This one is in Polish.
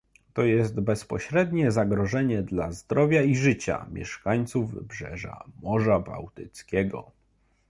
To jest bezpośrednie zagrożenie dla zdrowia i życia mieszkańców wybrzeża Morza Bałtyckiego